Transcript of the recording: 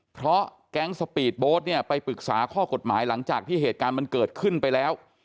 เพราะแก๊งสปีดโบ๊ทเนี่ยไปปรึกษาข้อกฎหมายหลังจากที่เหตุการณ์มันเกิดขึ้นไปแล้ว